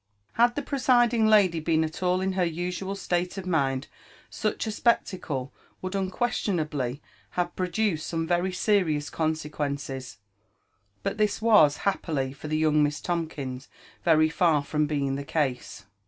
Had the presiding lady been at all in her usual state of mind, sach a spectacle would unquestionably have produced some very serious consequences : but this was, happily for the young Miss Tomkins, very far from being the case.